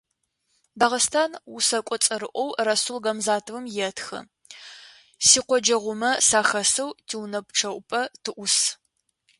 Дагъыстан усэкӏо цӏэрыӀоу Расул Гамзатовым етхы: «Сикъоджэгъумэ сахэсэу тиунэ пчъэӏупэ тыӏус».